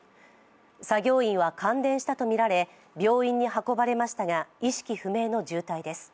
作業員は感電したとみられ病院に運ばれましたが意識不明の重体です。